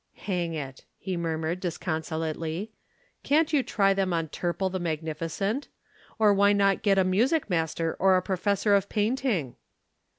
"Hang it!" he murmured disconsolately. "Can't you try them on Turple the magnificent. Or why not get a music master or a professor of painting?"